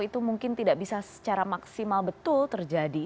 itu mungkin tidak bisa secara maksimal betul terjadi